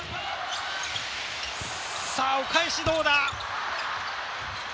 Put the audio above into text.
お返し、どうだ？